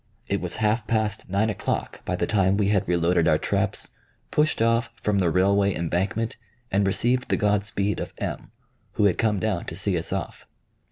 It was half past nine o'clock by the time we had reloaded our traps, pushed off from the railway embankment, and received the God speed of M , who had come down to see us off.